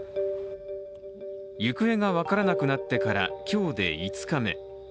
行方が分からなくなってから今日で５日目。